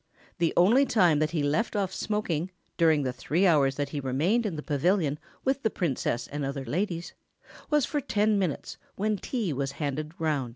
The only time that he left off smoking, during the three hours that he remained in the Pavilion with the Princess and other ladies, was for ten minutes when tea was handed round.